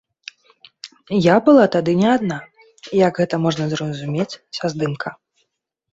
Я была тады не адна, як гэта можна зразумець са здымка.